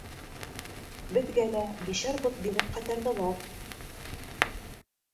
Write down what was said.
Беҙгә лә бишәр бот биреп ҡайтарҙылар.